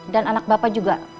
dan anak bapak juga